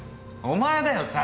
お前だよ猿！